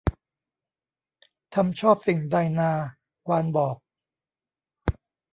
ทำชอบสิ่งใดนา วานบอก